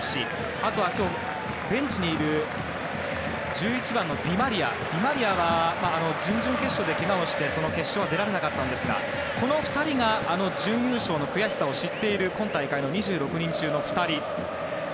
あとは今日ベンチにいる１１番のディマリアは準々決勝でけがをしてその決勝は出られなかったんですがこの２人があの準優勝の悔しさを知っている今大会の２６人中の２人。